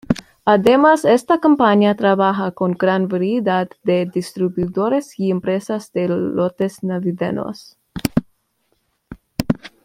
Además, esta compañía trabaja con gran variedad de distribuidores y empresas de lotes navideños.